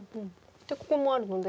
ここもあるので。